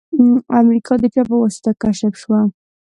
امریکا د چا په واسطه کشف شوه؟